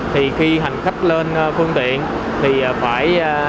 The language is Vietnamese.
thì khi hành khách lên phương tiện thì phải